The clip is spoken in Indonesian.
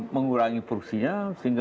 mengurangi fungsinya sehingga